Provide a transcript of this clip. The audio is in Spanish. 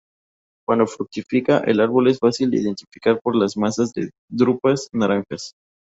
Cuando fructifica, el árbol es fácil de identificar por las masas de drupas naranjas.